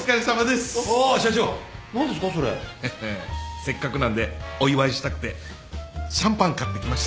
せっかくなんでお祝いしたくてシャンパン買ってきました。